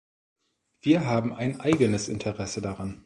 Wir haben ein eigenes Interesse daran.